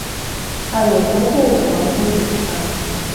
Але гэта ўжо адбудзецца.